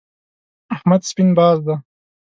احمد سپين باز دی.